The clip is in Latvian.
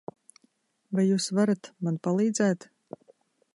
Vai jūs varat man palīdzēt?